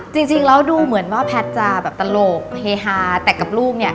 จริงแล้วดูเหมือนว่าแพทย์จะแบบตลกเฮฮาแต่กับลูกเนี่ย